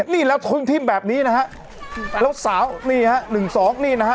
นี่แล้วที่แบบนี้นะฮะและสาวนี่ฮะ๑๒นี่นะฮะ